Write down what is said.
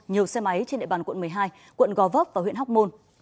nhiều xe máy trên địa bàn quận một mươi hai quận gò vấp và huyện hóc môn